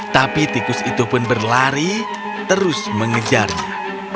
tapi tikus itu pun berlari terus mengejarnya